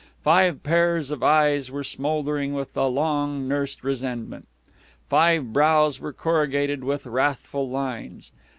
Five pairs of eyes were smoldering with a long nursed resentment. Five brows were corrugated with wrathful lines.